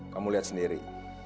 kamu liat sendiri